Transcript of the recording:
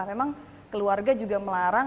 memang keluarga juga melarang